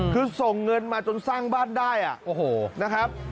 คือส่งเงินมาจนสร้างบ้านได้โอ้โหนะครับ